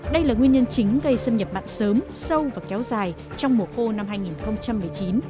đây là nguyên nhân chính gây xâm nhập bạn sớm sâu và kéo dài trong mùa khô năm hai nghìn một mươi chín hai nghìn hai mươi